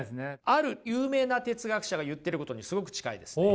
ある有名な哲学者が言ってることにすごく近いですね。